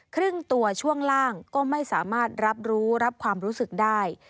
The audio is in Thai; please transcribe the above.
ครึ่งตัวช่วงล่างก็ไม่สามารถรับรู้รับความรู้สึกได้